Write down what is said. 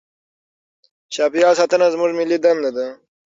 چاپیریال ساتنه زموږ ملي دنده ده.